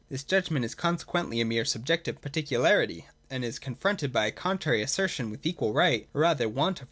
This judgment is consequently a mere sub jective particularity, and is confronted by a contrary assertion with equal right, or rather want of right.